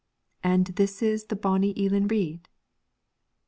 'And this is bonnie Eelan Reid?'